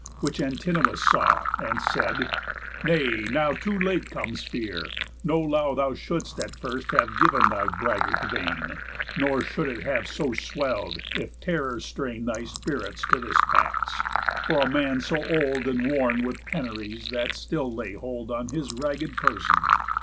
Which Antinous saw, And said: "Nay, now too late comes fear. No law Thou shouldst at first have giv'n thy braggart vein, Nor should it so have swell'd, if terrors strain Thy spirits to this pass, for a man so old, And worn with penuries that still lay hold On his ragg'd person.